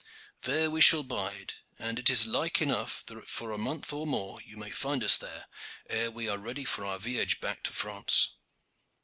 There we shall bide, and it is like enough that for a month or more you may find us there, ere we are ready for our viage back to France."